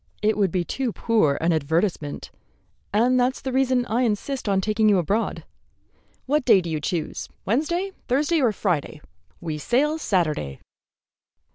"It would be too poor an advertisement, and that's the reason I insist on taking you abroad. What day do you choose, Wednesday, Thursday, or Friday? We sail Saturday."